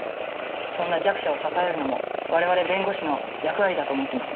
そんな弱者を支えるのも我々弁護士の役割だと思っていますので。